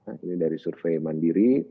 nah ini dari survei mandiri